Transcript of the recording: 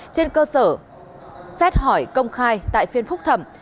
trên cơ sở xét hỏi công khai tại phiên phúc thẩm